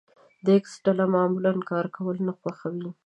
د ايکس ډله معمولا کار کول نه خوښوي.